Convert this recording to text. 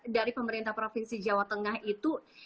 dari pemerintah provinsi jawa tengah itu